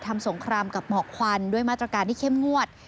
สงครามกับหมอกควันด้วยมาตรการที่เข้มงวด